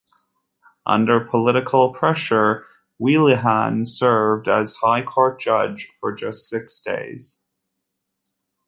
Under political pressure, Whelehan served as a High Court judge for just six days.